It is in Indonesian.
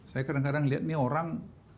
saya kadang kadang lihat nih orang